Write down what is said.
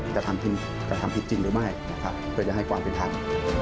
จะทำผิดจริงหรือไม่เพื่อให้ความเป็นทาง